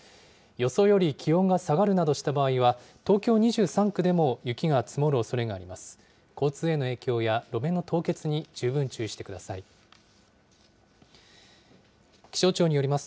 予想より気温が下がるなどした場合は、東京２３区でも雪が積もるおそれがあります。